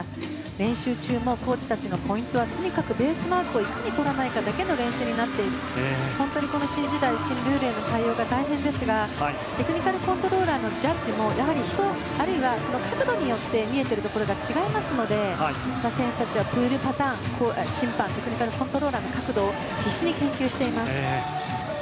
練習中もコーチたちのポイントはとにかくベースマークをいかにとらないかだけの練習になっていて本当に、新時代新ルールへの対応が大変ですがテクニカルコントローラーのジャッジもやはり人、あるいは角度によって見えているところが違いますので選手たちはプールパターン審判、テクニカルコントローラーの確度を必死に研究しています。